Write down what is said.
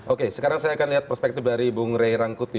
oke sekarang saya akan lihat perspektif dari bung rey rangkuti